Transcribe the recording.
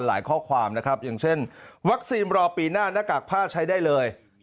หลายข้อความอย่างเช่นวัคซีมรอปีหน้านักกะผ้าใช้ได้เลย